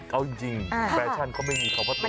เอาจริงแบชันก็ไม่มีคำว่าตรงนี้